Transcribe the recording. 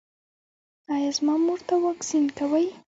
ایا زما مور ته واکسین کوئ؟